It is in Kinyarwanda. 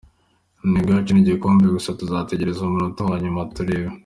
Intego yacu ni igikombe gusa tuzategereza umunota wa nyuma turebe.